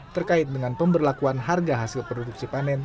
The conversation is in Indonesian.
terkait dengan pemberlakuan harga hasil produksi panen